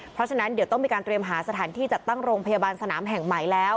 เพราะฉะนั้นเดี๋ยวต้องมีการเตรียมหาสถานที่จัดตั้งโรงพยาบาลสนามแห่งใหม่แล้ว